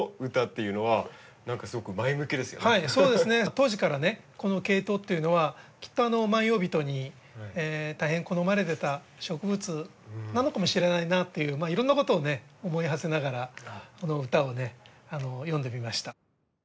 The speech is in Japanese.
当時からこのケイトウっていうのはきっと万葉人に大変好まれてた植物なのかもしれないなといういろんなことを思いはせながらこの歌を読んでみました。